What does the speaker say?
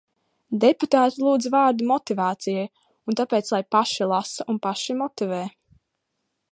Deputāti lūdz vārdu motivācijai, un tāpēc lai paši lasa un paši motivē.